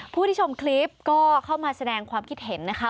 ผู้ที่ชมคลิปก็เข้ามาแสดงความคิดเห็นนะคะ